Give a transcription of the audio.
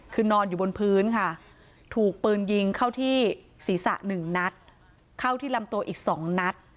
คือนอนอยู่บนพื้นค่ะถูกปืนยิงเข้าที่ศีรษะ๑นัดเข้าที่ลำตัวอีก๒นัด